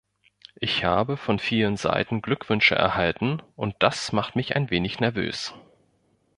Ich habe von vielen Seiten Glückwünsche erhalten, und das macht mich ein wenig nervös.